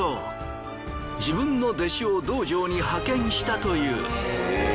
自分の弟子を道場に派遣したという。